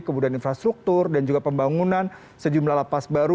kemudian infrastruktur dan juga pembangunan sejumlah la paz baru